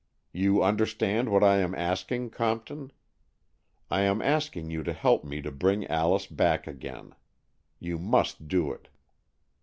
You understand what I am asking, Compton? I am asking you to help me to bring Alice back again. You must do it.